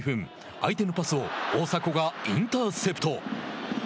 相手のパスを大迫がインターセプト。